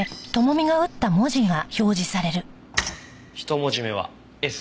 １文字目は「Ｓ」。